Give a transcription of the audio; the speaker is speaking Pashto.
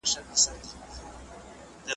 که شجاعت وي نو میدان نه تشیږي.